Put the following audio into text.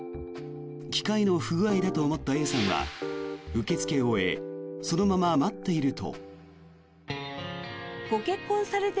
機械の不具合だと思ったＡさんは受け付けを終えそのまま待っていると。